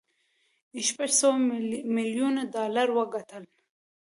شپږ سوه ميليونه ډالر وګټل.